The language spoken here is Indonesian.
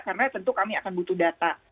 karena tentu kami akan butuh data